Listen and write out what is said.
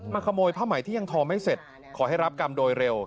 ขโมยผ้าไหมที่ยังทอไม่เสร็จขอให้รับกรรมโดยเร็ว